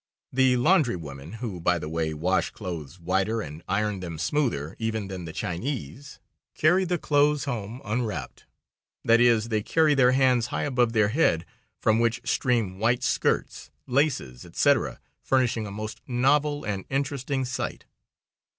The laundry women, who, by the way, wash clothes whiter and iron them smoother even than the Chinese, carry the clothes home unwrapped. That is, they carry their hands high above their head, from which stream white skirts, laces, etc., furnishing a most novel and interesting sight.